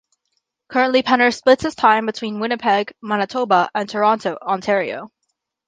Currently, Penner splits his time between Winnipeg, Manitoba and Toronto, Ontario.